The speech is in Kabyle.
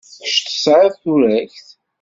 Kečč tesɛid turagt.